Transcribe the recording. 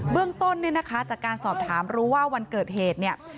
เรื่องต้นเนี่ยนะคะจากการสอบถามรู้ว่าวันเกิดเหตุเนี่ย